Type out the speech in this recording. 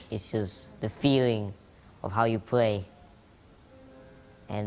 hanya perasaan bagaimana kamu bermain